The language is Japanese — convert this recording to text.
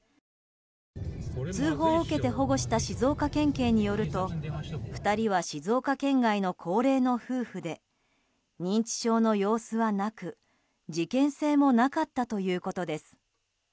通報を受けて保護した静岡県警によると２人は静岡県外の高齢の夫婦で認知症の様子はなく、事件性もなかったということです。